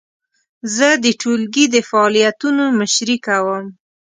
زه د ټولګي د فعالیتونو مشري کوم.